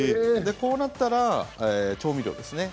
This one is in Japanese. こうなったら調味料ですね。